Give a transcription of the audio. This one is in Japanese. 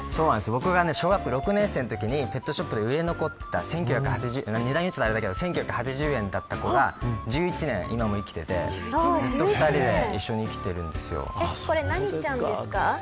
僕が小学校６年生のときにペットショップで売れ残っていた１９８０円だった子が１１年、今も生きていてずっと２人でこれ何ちゃんですか。